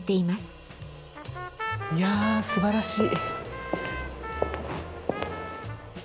いやすばらしい。